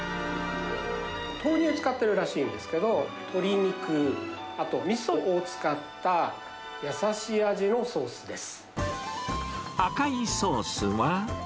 豆乳つかってるらしいんですけど、鶏肉、あとみそを使った優しい味のソースです。